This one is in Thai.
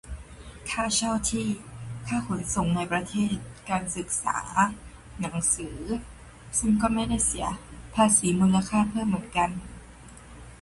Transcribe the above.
ค่าเช่าที่ ค่าขนส่งในประเทศ การศึกษา หนังสือ ซึ่งก็ไม่ได้เสียภาษีมูลค่าเพิ่มเหมือนกัน